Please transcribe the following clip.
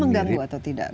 itu mengganggu atau tidak